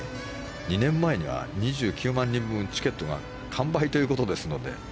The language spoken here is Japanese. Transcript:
２年前には２９万人分、チケットが完売ということですので。